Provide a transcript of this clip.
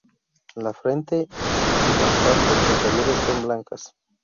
La frente y las partes inferiores son blancas.